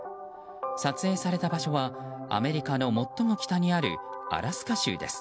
撮影された場所はアメリカの最も北にあるアラスカ州です。